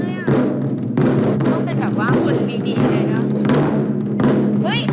ไฟว้างความสุขดีใช่ไหม